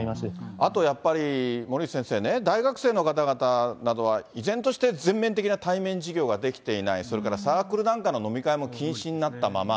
あとやっぱり、森内先生ね、大学生の方々などは、依然として全面的な対面授業ができていない、それからサークルなんかの飲み会も禁止になったまま。